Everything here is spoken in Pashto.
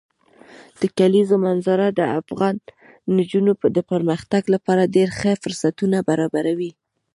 د کلیزو منظره د افغان نجونو د پرمختګ لپاره ډېر ښه فرصتونه برابروي.